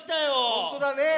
ほんとうだね。